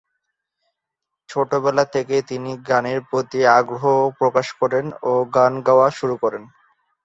ছোটবেলা থেকেই তিনি গানের প্রতি আগ্রহ প্রকাশ করেন ও গান গাওয়া শুরু করেন।